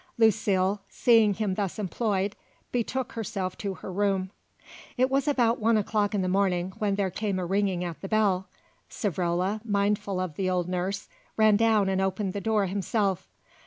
Lucile, seeing him thus employed, betook herself to her room. It was about one o'clock in the morning when there came a ringing at the bell. Savrola, mindful of the old nurse, ran down and opened the door himself.